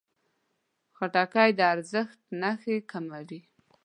خټکی د زړښت نښې کموي.